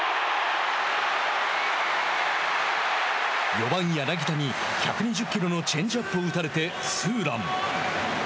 ４番、柳田に１２０キロのチェンジアップを打たれてツーラン。